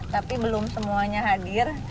tapi belum semuanya hadir